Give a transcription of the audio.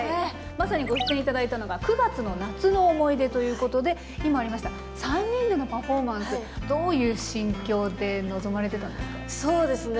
まさにご出演頂いたのが９月の「夏の思い出」ということで今ありました３人でのパフォーマンスどういう心境で臨まれてたんですか？